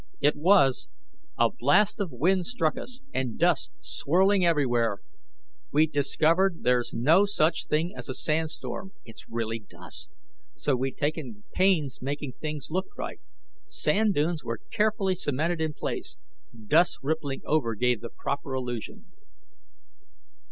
It was! A blast of wind struck us, and dust, swirling everywhere. We'd discovered there's no such thing as a sand storm it's really dust so we'd taken pains making things look right. Sand dunes were carefully cemented in place; dust rippling over gave the proper illusion.